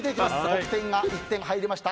得点が１点入りました。